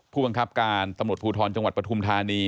ผู้บังคับการตำรวจภูทรจังหวัดปฐุมธานี